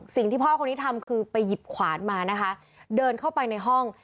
สิ่งที่พ่อคนนี้ทำคือไปหยิบขวานมานะคะเดินเข้าไปในห้อง